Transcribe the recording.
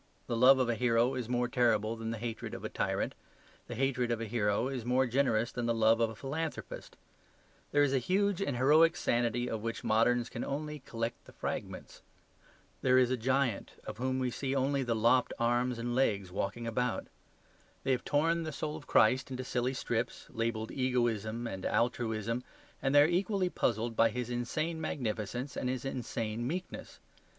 The love of a hero is more terrible than the hatred of a tyrant. The hatred of a hero is more generous than the love of a philanthropist. There is a huge and heroic sanity of which moderns can only collect the fragments. There is a giant of whom we see only the lopped arms and legs walking about. They have torn the soul of Christ into silly strips, labelled egoism and altruism, and they are equally puzzled by His insane magnificence and His insane meekness.